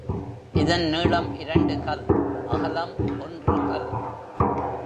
இதன் நீளம் இரண்டு கல் அகலம் ஒன்று கல்.